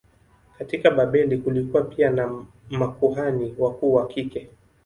Katika Babeli kulikuwa pia na makuhani wakuu wa kike.